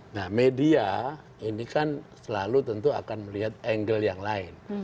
nah media ini kan selalu tentu akan melihat angle yang lain